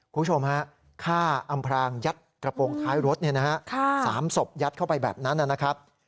คุณผู้ชมฮะฆ่าอำพรางยัดกระโปรงท้ายรถ๓ศพยัดเข้าไปแบบนั้นนะครับ